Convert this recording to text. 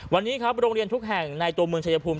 วันนี้ครับโรงเรียนทุกแห่งในตัวเมืองชายภูมิ